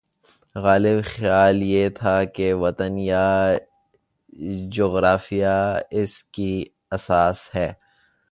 غالب خیال یہ تھا کہ وطن یا جغرافیہ اس کی اساس ہے۔